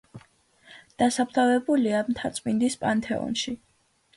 დასაფლავებულია მთაწმინდის პანთეონში.